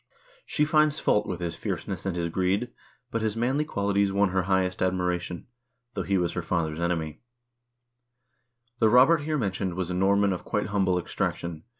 She finds fault with his fierceness and his greed, but his manly qualities won her highest admiration, though he was her father's enemy: "The Robert here mentioned was a Norman of quite humble ex traction.